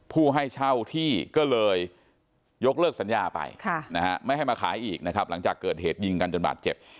ผู้ให้เช่าที่ก็เลยยกเลิกสัญญาไปไม่ให้มาขายอีกนะครับหลังจากเกิดเหตุยิงกันจนบาดเจ็บ